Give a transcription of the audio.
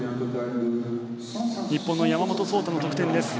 日本の山本草太の得点です。